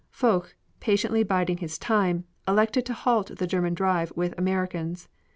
Foch, patiently biding his time, elected to halt the German drive with Americans.